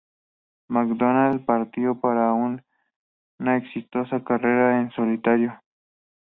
McDonald partió para una exitosa carrera en solitario.